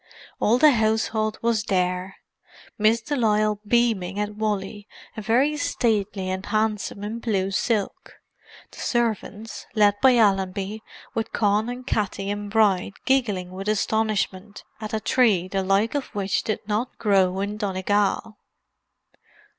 All the household was there; Miss de Lisle beaming at Wally and very stately and handsome in blue silk; the servants, led by Allenby, with Con and Katty and Bride giggling with astonishment at a tree the like of which did not grow in Donegal.